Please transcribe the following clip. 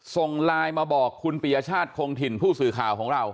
ส่งไลน์มาบอกคุณปียชาติคงถิ่นผู้สื่อข่าวของเรา